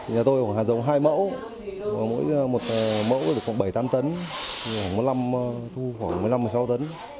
nhà tôi có hạt giống hai mẫu mỗi mẫu được khoảng bảy tám tấn thu khoảng một mươi năm một mươi sáu tấn